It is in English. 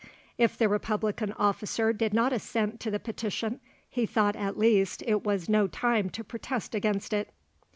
If the republican officer did not assent to the petition, he thought at least it was no time to protest against it.